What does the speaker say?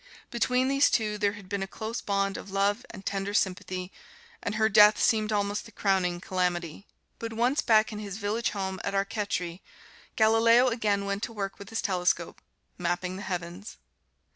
Between these two there had been a close bond of love and tender sympathy, and her death seemed almost the crowning calamity. But once back in his village home at Arcetri, Galileo again went to work with his telescope, mapping the heavens.